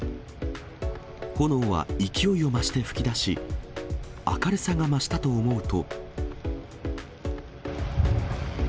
炎は勢いを増して噴き出し、明るさが増したと思うと。